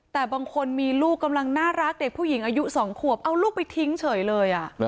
แต่บางคนมีลูกกำลังน่ารักเด็กผู้หญิงอายุ๒ขวบเอาลูกไปทิ้งเฉยเลย